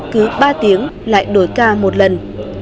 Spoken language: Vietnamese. cứ ba tiếng lại đổi ca một lần